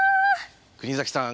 国崎さん